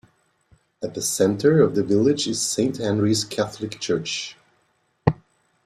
At the center of the village is Saint Henry's Catholic Church.